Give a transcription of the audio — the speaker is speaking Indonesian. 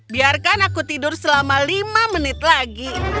biarkan aku tidur selama lima menit lagi